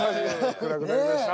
暗くなりました。